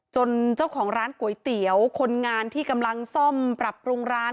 เจ้าของร้านก๋วยเตี๋ยวคนงานที่กำลังซ่อมปรับปรุงร้าน